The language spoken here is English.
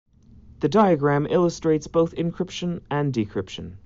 The diagram illustrates both encryption and decryption.